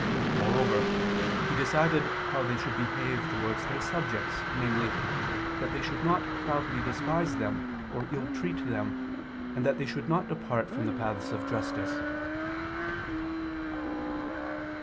Moreover, He decided how they should behave towards their subjects: namely, that they should not proudly despise them, or ill treat them, and that they should not depart from the paths of justice.